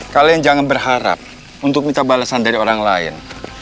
kalian jangan berharap untuk minta balasan dari orang lain